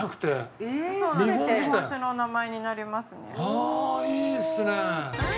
ああいいですね！